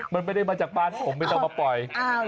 มันไม่ได้มาจากบ้านผมไม่ต้องมาปล่อย